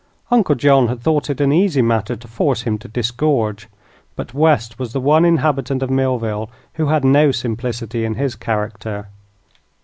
Uncle John had thought it an easy matter to force him to disgorge, but West was the one inhabitant of Millville who had no simplicity in his character.